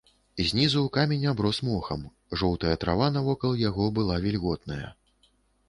Знізу камень аброс мохам, жоўтая трава навокал яго была вільготная.